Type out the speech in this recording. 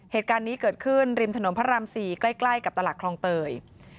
เหตุการณ์นี้เกิดขึ้นริมถนนพระราม๔ใกล้กับตลาดคลองเตย